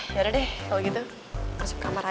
oh ya udah deh kalo gitu masuk kamar aja